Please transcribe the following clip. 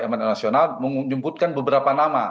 emanasional menyemputkan beberapa nama